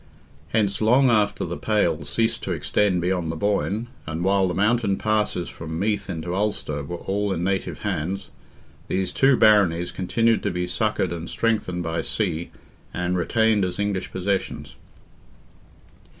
Hence, long after "the Pale" ceased to extend beyond the Boyne, and while the mountain passes from Meath into Ulster were all in native hands, these two baronies continued to be succoured and strengthened by sea, and retained as English possessions.